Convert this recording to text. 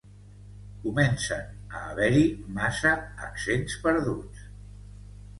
Comencen a haver-hi massa accents perduts.